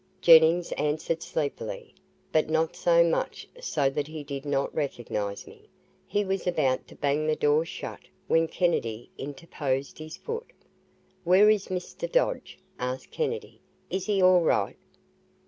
Jennings answered sleepily, but not so much so that he did not recognize me. He was about to bang the door shut when Kennedy interposed his foot. "Where is Mr. Dodge?" asked Kennedy. "Is he all right?"